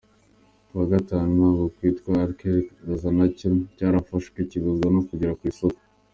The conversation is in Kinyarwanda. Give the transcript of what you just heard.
Kuwa gatanu nabwo ikitwa Akhir Lahza nacyo cyarafashwe, kibuzwa kugera ku isoko.